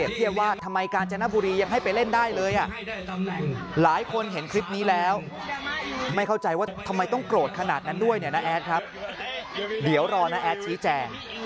เดี๋ยวรอนะแอดชี้แจง